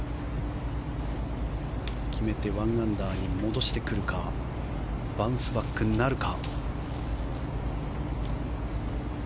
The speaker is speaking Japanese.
決めて１アンダーに戻してくるかバウンスバックなるか。